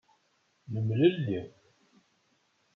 Nemlelli.